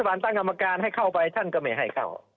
ฮาร์ดรัฐบาลตั้งกรรมการให้เข้าไปท่านก็ไม่ให้เข้า